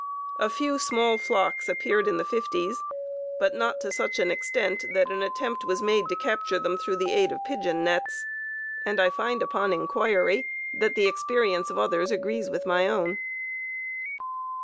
A few small flocks appeared in the fifties, but not to such an extent that an attempt was made to capture them through the aid of pigeon nets, and I find upon inquiry that the experience of others agrees with my own.